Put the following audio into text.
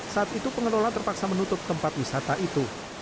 saat itu pengelola terpaksa menutup tempat wisata itu